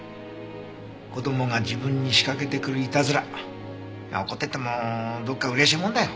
子供が自分に仕掛けてくるイタズラ怒っててもどこか嬉しいもんだよ